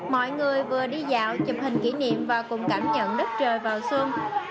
mọi người vừa đi dạo chụp hình kỷ niệm và cùng cảm nhận đất trời vào xuân